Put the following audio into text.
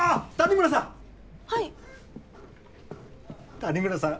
谷村さん